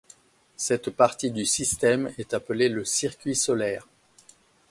Cette partie du système est appelée le circuit solaire.